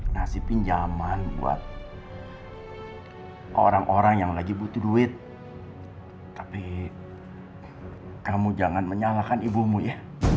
ngasih pinjaman buat orang orang yang lagi butuh duit tapi kamu jangan menyalahkan ibumu ya